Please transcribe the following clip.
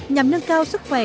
nhằm nâng cao sức khỏe